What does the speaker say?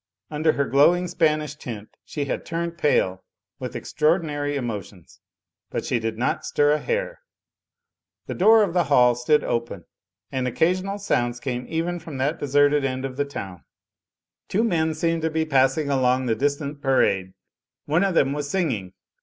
Under her glowing Spanish tint she had turned pale with extraordinary emotions, but she did not stir a hair. The door of the hall stood open, and occasional sounds came even from that deserted end of the town. Two men seemed to be passing along the distant pa rade ; one of them was singing.